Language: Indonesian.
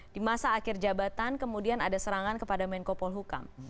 di masa akhir jabatan kemudian ada serangan kepada menko polhukam